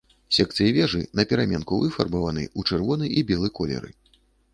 Секцыі вежы напераменку выфарбаваны ў чырвоны і белы колеры.